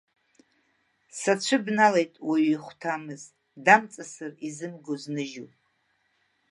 Сацәыбналеит уаҩ ихәҭамыз, дамҵасыр изымгоз ныжьуп.